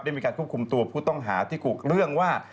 มีการควบคุมตัวผู้ต้องหาที่กุเรื่องว่า